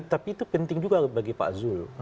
tapi itu penting juga bagi pak zul